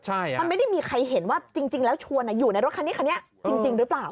ใช่มันไม่ได้มีใครเห็นว่าจริงแล้วชวนอยู่ในรถคันนี้คันนี้จริงหรือเปล่า